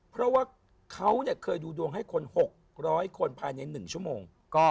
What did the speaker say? เพราะว่าเขาเคยดูดวงให้คน๖๐๐คนภายใน๑ชั่วโมง